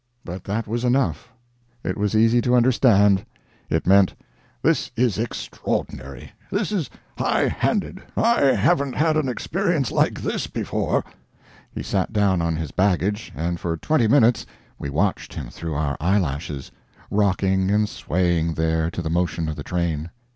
But that was enough. It was easy to understand. It meant: "This is extraordinary. This is high handed. I haven't had an experience like this before." He sat down on his baggage, and for twenty minutes we watched him through our eyelashes, rocking and swaying there to the motion of the train.